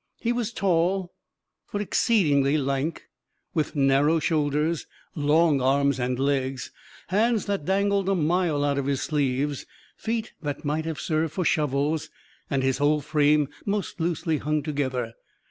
He was tall, but exceedingly lank, with narrow shoulders, long arms and legs, hands that dangled a mile out of his sleeves, feet that might have served for shovels, and his whole frame most loosely hung together.